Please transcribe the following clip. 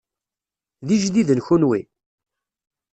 D ijdiden kunwi?